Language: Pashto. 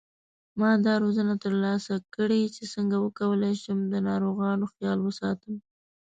ما دا روزنه تر لاسه کړې چې څنګه وکولای شم د ناروغانو خیال وساتم